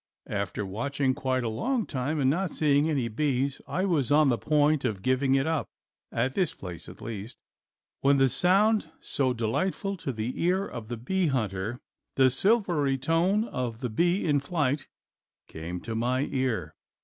After watching quite a long time and not seeing any bees I was on the point of giving it up, at this place at least, when that sound so delightful to the ear of the bee hunter, the silvery tone of the bee in flight, came to my ear.